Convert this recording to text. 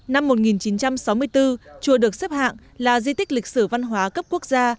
năm một nghìn chín trăm sáu mươi bốn chùa được xếp hạng là di tích lịch sử văn hóa cấp quốc gia